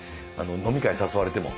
飲み会誘われても。